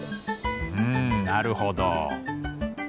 うんなるほど。